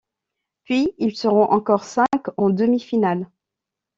Puis ils seront encore cinq en demi-finales.